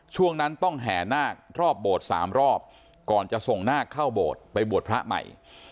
ช่วงนั้นต้องแห่นาครอบโบสถ์๓รอบก่อนจะส่งนาคเข้าโบสถ์ไปบวชพระใหม่